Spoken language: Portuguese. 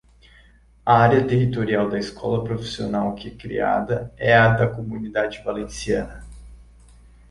A área territorial da escola profissional que é criada é a da Comunidade Valenciana.